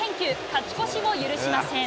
勝ち越しを許しません。